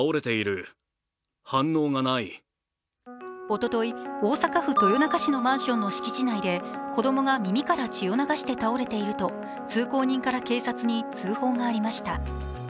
おととい、大阪府豊中市のマンションの敷地内で子供が耳から血を流して倒れていると通行人から警察に通報がありました。